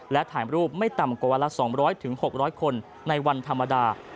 และถ่ายรูปไม่ต่ำกว่าวันละ๒๐๐๖๐๐คนในวันธรรมดา